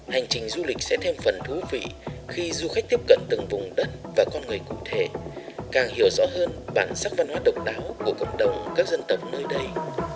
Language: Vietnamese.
hành trình du lịch sẽ thêm phần thú vị khi du khách tiếp cận từng vùng đất và con người cụ thể càng hiểu rõ hơn bản sắc văn hóa độc đáo của cộng đồng các dân tộc nơi đây